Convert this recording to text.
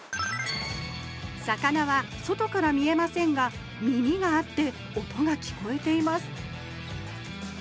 魚は外から見えませんが耳があって音が聞こえています